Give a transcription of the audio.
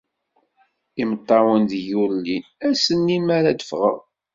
Imeṭṭawen deg-i ur llin, ass-nni mi ara d-ffɣeɣ.